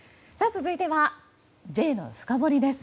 続いてはＪのフカボリです。